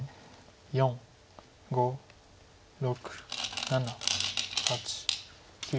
４５６７８９。